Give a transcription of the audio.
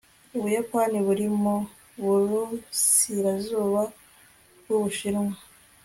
ubuyapani buri mu burasirazuba bw'ubushinwa